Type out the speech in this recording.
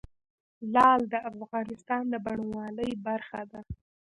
لعل د افغانستان د بڼوالۍ برخه ده.